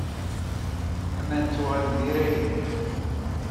Aman ttuɣalen d iraggen.